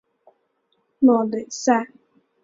洛雷塞。